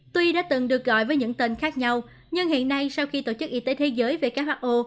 tuy đã từng được gọi với những tên khác nhau nhưng hiện nay sau khi tổ chức y tế thế giới who